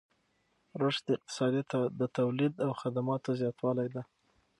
رشد اقتصادي د تولید او خدماتو زیاتوالی دی.